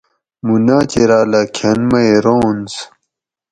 مُوں ناچِیراۤلہ کھۤن مئ رونز